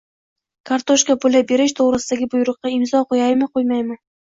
"Kartoshka puli" berish to‘g‘risidagi buyruqqa imzo qo‘yaymi, qo‘ymaymi